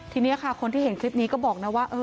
ทีนี้ค่ะคนที่เห็นคลิปนี้ก็บอกนะว่า